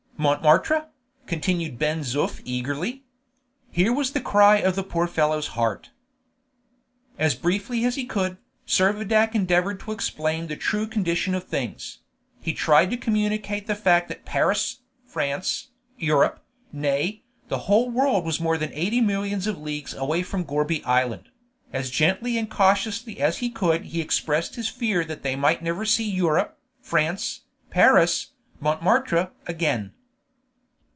Montmartre?" continued Ben Zoof eagerly. Here was the cry of the poor fellow's heart. As briefly as he could, Servadac endeavored to explain the true condition of things; he tried to communicate the fact that Paris, France, Europe, nay, the whole world was more than eighty millions of leagues away from Gourbi Island; as gently and cautiously as he could he expressed his fear that they might never see Europe, France, Paris, Montmartre again.